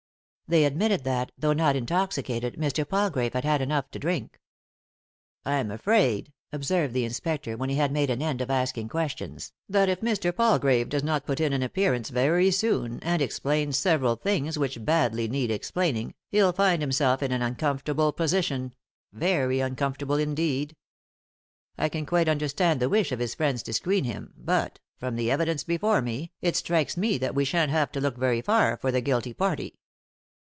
They admitted that, though not intoxicated, Mr. Palgrave had h ad enough to drink. " I'm afraid," observed the inspector, when he had made an end of asking questions, " that if Mr. Palgrave does not put in an appearance very soon, and explain several things which badly need explaining, he'll find himself in an uncomfortable position, very uncomfort able indeed. I can quite understand the wish of his friends to screen him, but, from the evidence before me, it strikes me that we shan't have to look very far for the guilty party."